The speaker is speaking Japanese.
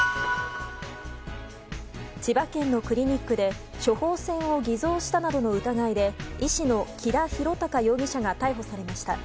千葉県のクリニックで処方箋を偽造したなどの疑いで医師の木田博隆容疑者が逮捕されました。